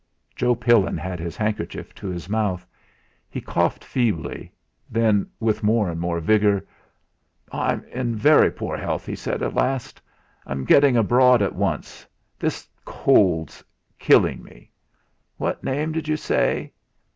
Joe Pillin had his handkerchief to his mouth; he coughed feebly, then with more and more vigour: "I'm in very poor health," he said, at last. "I'm getting abroad at once. This cold's killing me. What name did you say?"